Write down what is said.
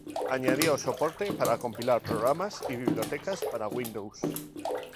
Añadió soporte para compilar programas y bibliotecas para Windows.